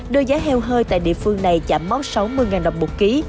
đưa giá heo hơi tại địa phương này chạm mốc sáu mươi đồng một ký